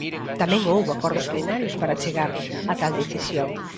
Tamén houbo acordos plenarios para chegar a tal decisión.